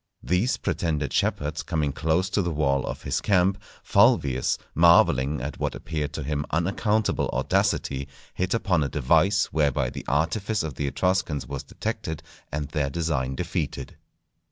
These pretended shepherds coming close to the wall of his camp, Fulvius, marvelling at what appeared to him unaccountable audacity, hit upon a device whereby the artifice of the Etruscans was detected and their design defeated.